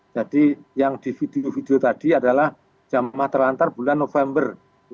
jadi yang di video video tadi adalah jemaah terlantar bulan november dua ribu dua puluh dua